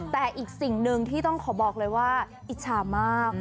แต่อีกสิ่งหนึ่งที่ต้องขอบอกเลยว่าอิจฉามาก